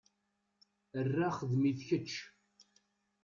Aṛṛa xdem-it kečč!